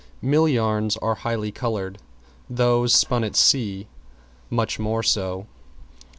Mill yarns are highly colored; those spun at sea much more so.